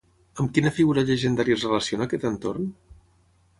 Amb quina figura llegendària es relaciona aquest entorn?